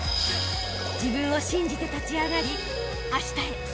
［自分を信じて立ち上がりあしたへ